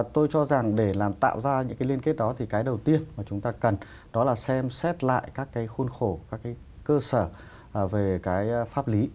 tôi cho rằng để tạo ra những liên kết đó thì cái đầu tiên mà chúng ta cần đó là xem xét lại các khuôn khổ các cơ sở về pháp lý